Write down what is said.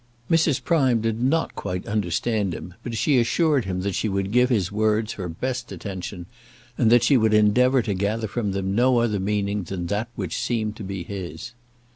Mrs. Prime did not quite understand him, but she assured him again that she would give his words her best attention, and that she would endeavour to gather from them no other meaning than that which seemed to be his.